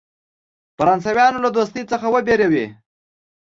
فرانسویانو له دوستی څخه وبېروي.